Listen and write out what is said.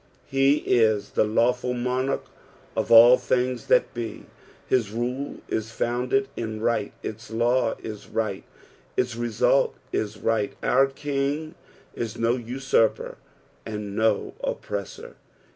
Heis the lawful monarch of all things that be, Hisruleis founded in right, its law is right, its result is right. Our King is no usurper and no oppressor.